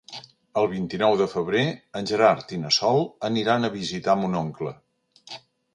El vint-i-nou de febrer en Gerard i na Sol aniran a visitar mon oncle.